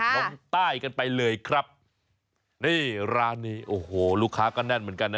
ลงใต้กันไปเลยครับนี่ร้านนี้โอ้โหลูกค้าก็แน่นเหมือนกันนะ